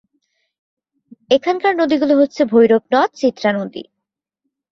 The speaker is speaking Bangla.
এখানকার নদীগুলো হচ্ছে ভৈরব নদ, চিত্রা নদী।